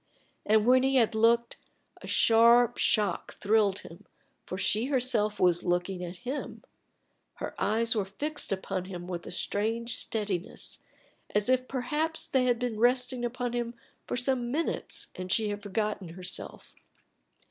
And when he had looked, a sharp shock thrilled him, for she herself was looking at him; her eyes were fixed upon him with a strange steadiness, as if perhaps they had been resting upon him for some minutes and she had forgotten herself.